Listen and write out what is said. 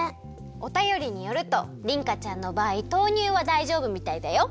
おたよりによるとりんかちゃんのばあい豆乳はだいじょうぶみたいだよ。